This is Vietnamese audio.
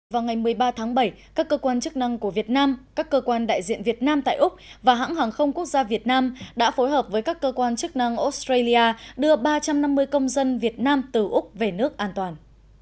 vào ngày một mươi ba tháng bảy các cơ quan chức năng của việt nam các cơ quan đại diện việt nam tại úc và hãng hàng không quốc gia việt nam đã phối hợp với các cơ quan chức năng australia đưa ba trăm năm mươi công dân việt nam từ úc về nước an toàn